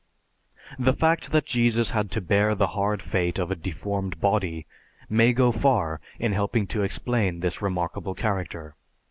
The fact that Jesus had to bear the hard fate of a deformed body may go far in helping to explain this remarkable character.